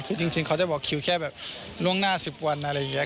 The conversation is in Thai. คือจริงเขาจะบอกก็แค่ว่าน่าสิบวันอะไรอย่างเงี้ย